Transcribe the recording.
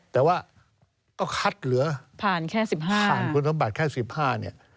แต่ว่าก็คัดเหลือผ่านแค่๑๕ผ่านคุณสมบัติแค่๑๕เนี่ย